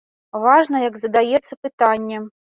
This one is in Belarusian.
Важна, як задаецца пытанне.